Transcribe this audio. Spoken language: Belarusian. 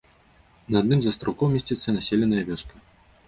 На адным з астраўкоў месціцца населеная вёска.